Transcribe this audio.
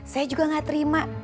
saya juga gak terima